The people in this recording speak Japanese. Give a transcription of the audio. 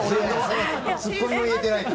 ツッコミも言えてない。